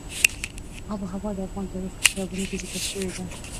آب وهوا د افغان تاریخ په کتابونو کې ذکر شوې ده.